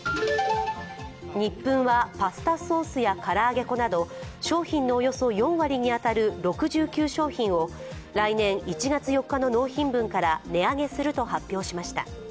ニップンはパスタソースやから揚げ粉など、商品のおよそ４割に当たる６９商品を来年１月４日の納品分から値上げすると発表しました。